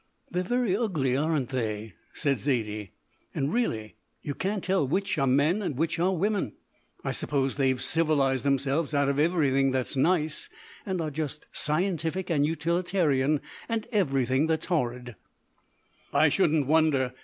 "They're very ugly, aren't they?" said Zaidie; "and really you can't tell which are men and which are women. I suppose they've civilised themselves out of everything that's nice, and are just scientific and utilitarian and everything that's horrid." "I shouldn't wonder.